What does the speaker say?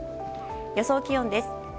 予想気温です。